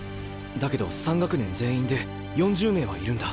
だけど３学年全員で４０名はいるんだ。